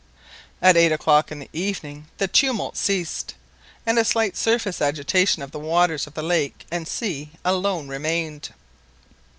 At eight o'clock in the evening the tumult ceased, and a slight surface agitation of the waters of lake and sea alone remained.